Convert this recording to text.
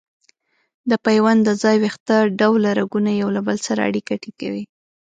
د پیوند د ځای ویښته ډوله رګونه یو له بل سره اړیکه ټینګوي.